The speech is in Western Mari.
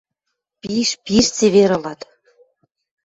— Пиш... пиш цевер ылат...